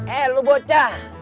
eh lu bocah